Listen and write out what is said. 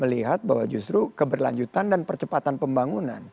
melihat bahwa justru keberlanjutan dan percepatan pembangunan